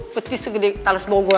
peti segede talus bau gua